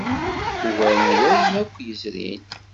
Ugar n wayen akk yezrin.